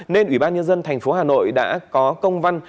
nên ủy ban nhân dân tp hà nội đã có công văn